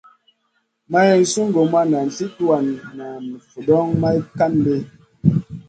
Maï sungu ma nan sli tuwan na vudoŋ may kan ɗi.